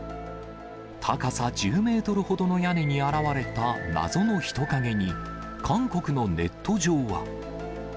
高さ１０メートルほどの屋根に現れた謎の人影に、韓国のネット上は。